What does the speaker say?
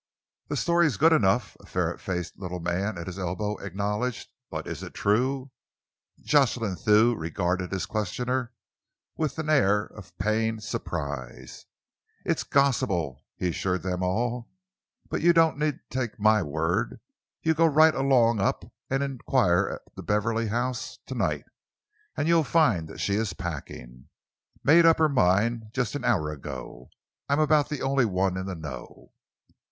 "The story's good enough," a ferret faced little man at his elbow acknowledged, "but is it true?" Jocelyn Thew regarded his questioner with an air of pained surprise. "It's Gospel," he assured them all, "but you don't need to take my word. You go right along up and enquire at the Beverley house to night, and you'll find that she is packing. Made up her mind just an hour ago. I'm about the only one in the know."